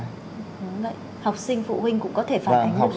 đúng vậy học sinh phụ huynh cũng có thể phản ánh được điều đó đúng không ạ